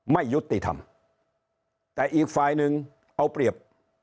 ไม่ยุติธรรมแต่อีกฝ่ายหนึ่งเอาเปรียบ